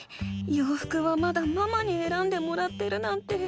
ようふくはまだママにえらんでもらってるなんて。